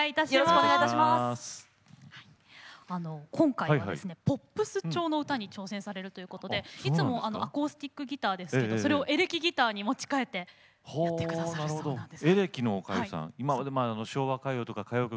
今回はポップス調の歌に挑戦されるということで、いつもアコースティックギターですけどそれをエレキギターに持ち替えてやってくださるそうです。